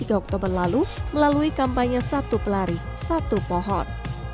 alphamart lalu melalui kampanye satu pelari satu pohon